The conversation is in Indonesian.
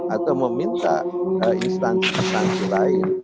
atau meminta instansi instansi lain